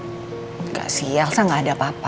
enggak sih elsa gak ada apa apa